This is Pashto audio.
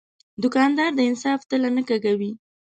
دوکاندار د انصاف تله نه کږوي.